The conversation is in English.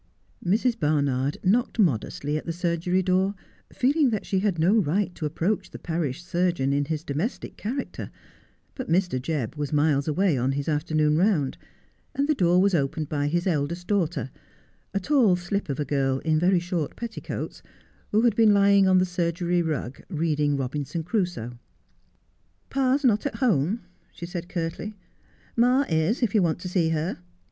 Mrs. Barnard knocked modestly at the surgery door, feeling that she had no right to approach the parish surgeon in his domestic character ; but Mr. Jebb was miles away on his after noon round, and the door was opened by his eldest daughter, a tall slip of a girl, in very short petticoats, who had been lying on the surgery rug, reading ' Robinson Crusoe.' ' Pa's not at home,' she said curtly. ' Ma is, if you want to see her.